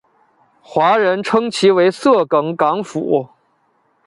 华人称其为色梗港府。